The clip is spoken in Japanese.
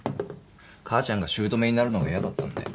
母ちゃんが姑になるのが嫌だったんだよ。